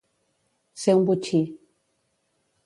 Ser un botxí.